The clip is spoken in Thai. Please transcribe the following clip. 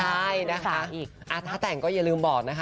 ใช่นะคะอีกถ้าแต่งก็อย่าลืมบอกนะคะ